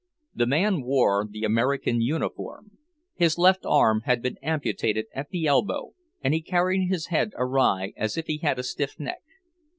The man wore the American uniform; his left arm had been amputated at the elbow, and he carried his head awry, as if he had a stiff neck.